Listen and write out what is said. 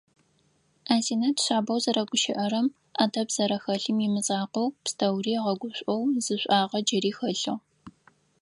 Азинэт шъабэу зэрэгущыӏэрэм, ӏэдэб зэрэхэлъым имызакъоу, пстэури ыгъэгушӏоу зы шӏуагъэ джыри хэлъыгъ.